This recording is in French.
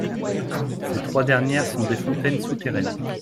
Ces trois dernières sont des fontaines souterraines.